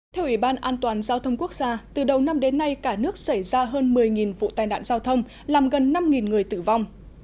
theo ủy ban an toàn giao thông quốc gia từ đầu năm đến nay cả nước xảy ra hơn một mươi vụ tai nạn giao thông làm gần năm người tử vong